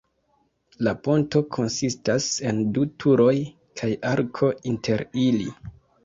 La ponto konsistas en du turoj kaj arko inter ili.